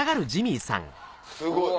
すごい。